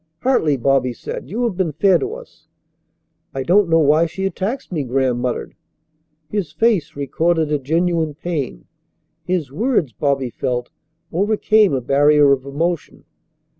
"Hartley!" Bobby said. "You have been fair to us?" "I don't know why she attacks me," Graham muttered. His face recorded a genuine pain. His words, Bobby felt, overcame a barrier of emotion.